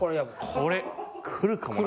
これくるかもな。